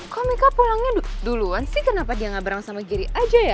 kok mika pulangnya duluan sih kenapa dia gak berang sama giri aja ya